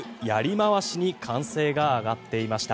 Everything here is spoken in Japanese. まわしに歓声が上がっていました。